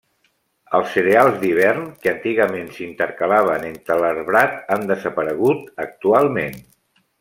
Els cereals d'hivern que antigament s'intercalaven entre l'arbrat, han desaparegut actualment.